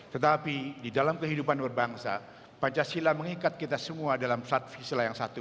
tetapi di dalam kehidupan berbangsa pancasila mengikat kita semua dalam satfi sila yang satu